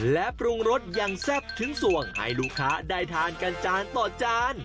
และปรุงรสอย่างแซ่บถึงส่วงให้ลูกค้าได้ทานกันจานต่อจาน